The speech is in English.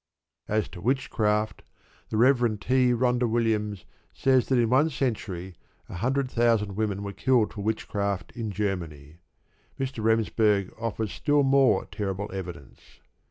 As to witchcraft, the Rev. T. Rhondda Williams says that in one century a hundred thousand women were killed for witchcraft in Germany. Mr. Remsburg offers still more terrible evidence.